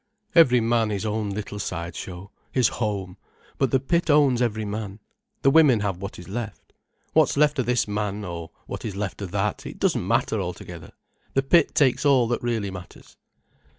"Every man his own little side show, his home, but the pit owns every man. The women have what is left. What's left of this man, or what is left of that—it doesn't matter altogether. The pit takes all that really matters."